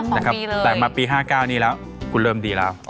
แต่มาปี๕๙นี้แล้วคุณเริ่มดีแล้ว